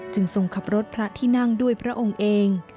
ทรงขับรถพระที่นั่งด้วยพระองค์เอง